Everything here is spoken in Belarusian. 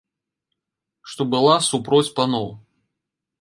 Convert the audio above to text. Што была супроць паноў.